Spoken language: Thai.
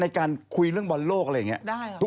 ในการคุยเรื่องบอลโลกอะไรอย่างนี้